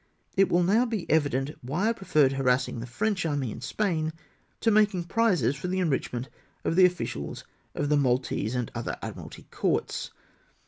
It will now be evident why I preferred harassing the French army in Spain to making prizes for the enrichment of the officials of the Maltese and other Admiralty courts.